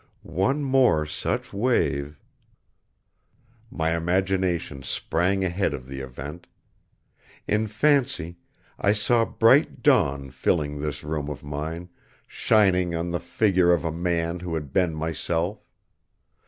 One more such wave My imagination sprang ahead of the event. In fancy, I saw bright dawn filling this room of mine, shining on the figure of a man who had been myself.